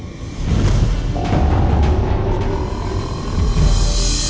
tidak ada satu